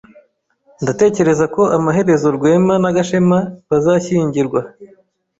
Ndatekereza ko amaherezo Rwema na Gashema bazashyingirwa.